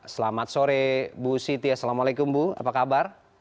selamat sore bu siti assalamualaikum bu apa kabar